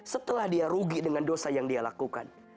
setelah dia rugi dengan dosa yang dia lakukan